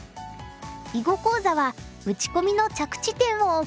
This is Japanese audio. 囲碁講座は「打ち込みの着地点」をお送りします。